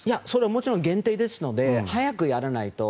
もちろん限定ですので早くやらないと。